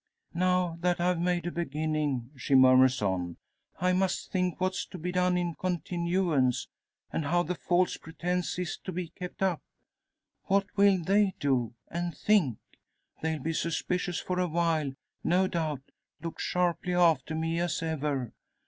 "Now that I've made a beginning," she murmurs on, "I must think what's to be done in continuance; and how the false pretence is to be kept up. What will they do? and think? They'll be suspicious for a while, no doubt; look sharply after me, as ever!